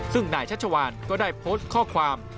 ซึ่งนายชัชวานก็ได้โพสต์ข้อความ